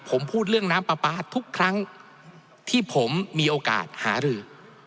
ผมพูดเรื่องน้ำปลาปลาทุกครั้งที่ผมมีโอกาสหารือ